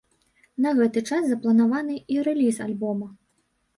На гэты час запланаваны і рэліз альбома.